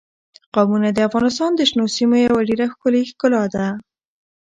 قومونه د افغانستان د شنو سیمو یوه ډېره ښکلې ښکلا ده.